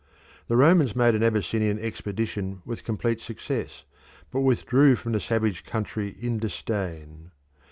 The Romans made an Abyssinian expedition with complete success, but withdrew from the savage country in disdain.